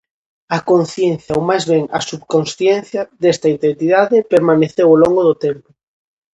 A conciencia, ou máis ben a subconsciencia, desta identidade permaneceu ó longo do tempo.